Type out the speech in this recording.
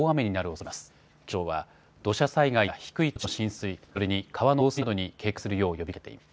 気象庁は土砂災害や低い土地の浸水、それに川の増水などに警戒するよう呼びかけています。